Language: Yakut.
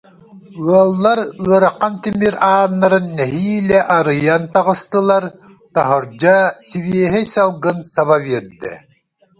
Ыаллар ыарахан тимир ааннарын нэһиилэ арыйан таҕыстылар, таһырдьа сибиэһэй салгын саба биэрдэ